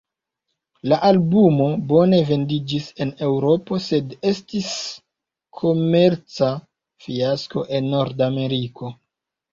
La albumo bone vendiĝis en Eŭropo sed estis komerca fiasko en Nord-Ameriko.